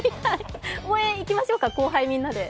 応援行きましょうか、後輩みんなで。